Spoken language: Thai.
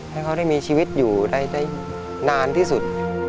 ให้เขาได้มีชีวิตอยู่ได้นานที่สุด